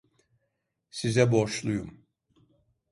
Size borçluyum.